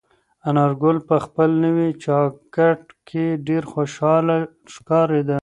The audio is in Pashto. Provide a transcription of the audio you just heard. انارګل په خپل نوي جاکټ کې ډېر خوشحاله ښکارېده.